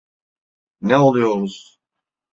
Ne oluyoruz?